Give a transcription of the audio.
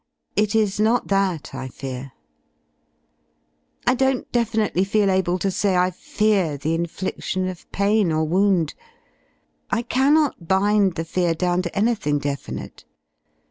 It is not that I fear. I don't definitely feel able to say I fear the inflidion of pain or wound. I cannot bind the fear down to anything definite.